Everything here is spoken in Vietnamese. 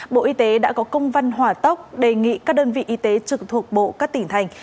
bộ y tế đã có công văn hỏa tốc đề nghị các đơn vị y tế trực thuộc bộ các tỉnh thành